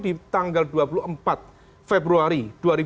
di tanggal dua puluh empat februari dua ribu dua puluh